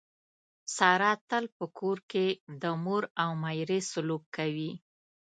ساره تل په کور کې د مور او میرې سلوک کوي.